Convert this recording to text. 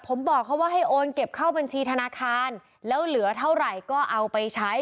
ผมบอกเขาว่าให้โอนเก็บเข้าบัญชีธนาคารแล้วเหลือเท่าไหร่ก็เอาไปใช้